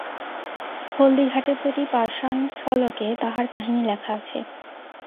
হলদিঘাটের প্রতি পাষাণ-ফলকে তাহার কাহিনী লেখা আছে।